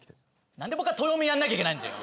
なんで僕がトヨミやんなきゃいけないんだよ！